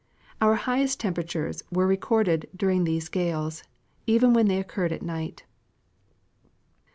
Our highest temperatures were re corded during these gales, even when they occurred at night.